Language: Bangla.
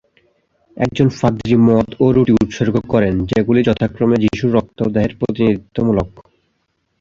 একজন পাদ্রি মদ ও রুটি উৎসর্গ করেন, যেগুলি যথাক্রমে যীশুর রক্ত ও দেহের প্রতিনিধিত্বমূলক।